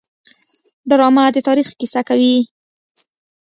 ډرامه د تاریخ کیسه کوي